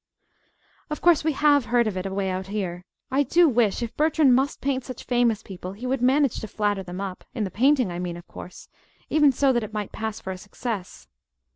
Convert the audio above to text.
"Of course we have heard of it away out here. I do wish if Bertram must paint such famous people, he would manage to flatter them up in the painting, I mean, of course enough so that it might pass for a success!